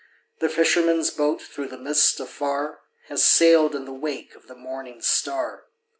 The fisherman's boat, through the mist afar, Has sailed in the wake of the morning star.